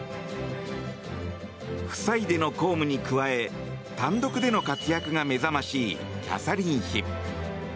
夫妻での公務に加え単独での活躍が目覚ましいキャサリン妃。